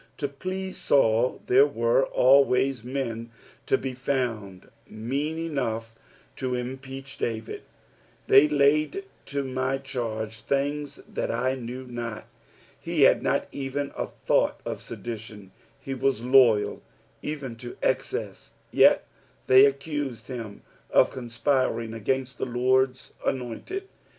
To E lease Saul, there were alivays men to be found mean eniiugh to impeatih luvid. " TAeu laid to my charge tkinga that I IcTtne not.''' He had not even a thought of sedition ; he was loyal even to e:ccesB ; yet they accused him of conspiring against the Lord's anointed.